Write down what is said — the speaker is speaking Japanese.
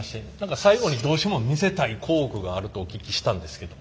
最後にどうしても見せたい工具があるとお聞きしたんですけども。